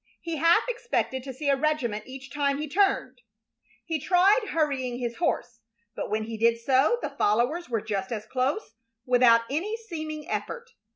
He half expected to see a regiment each time he turned. He tried hurrying his horse, but when he did so the followers were just as close without any seeming effort.